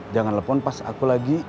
jangan lepon pas aku lagi